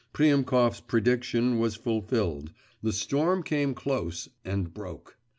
Priemkov's prediction was fulfilled; the storm came close, and broke.